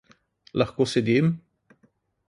Lahko sedim?